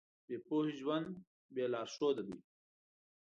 بې پوهې ژوند بې لارښوده دی.